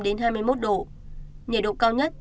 hai mươi một độ nhiệt độ cao nhất